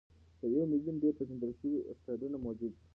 تر یو میلیون ډېر پېژندل شوي اسټروېډونه موجود دي.